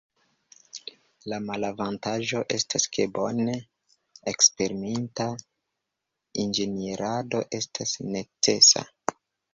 La malavantaĝo estas ke bone eksperimenta inĝenierado estas necesa.